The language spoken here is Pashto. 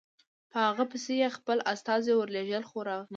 په هغه پسې یې خپل استازي ورولېږل خو رانغی.